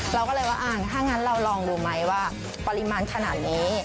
เราก็เลยว่าถ้างั้นเราลองดูไหมว่าปริมาณขนาดนี้